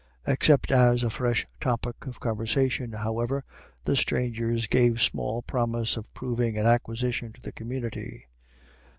Except as a fresh topic of conversation, however, the strangers gave small promise of proving an acquisition to the community.